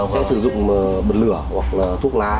sẽ sử dụng bật lửa hoặc là thuốc lá